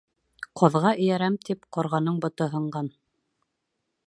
Ҡаҙға эйәрәм тип, ҡарғаның бото һынған.